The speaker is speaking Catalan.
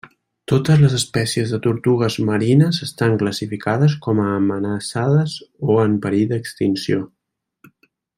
Totes les espècies de tortugues marines estan classificades com a amenaçades o en perill d'extinció.